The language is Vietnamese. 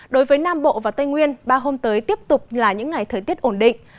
đối với nam bộ và tây nguyên ba hôm tới tiếp tục là những ngày thời tiết ổn định